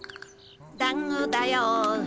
だんごだよ。